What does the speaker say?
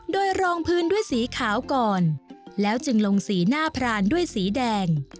โดยรองพื้นด้วยสีขาวก่อนแล้วจึงลงสีหน้าพรานด้วยสีแดง